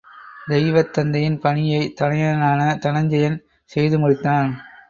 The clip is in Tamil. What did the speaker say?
தெய்வத் தந்தையின் பணியைத் தனயனான தனஞ்செயன் செய்து முடித்தான்.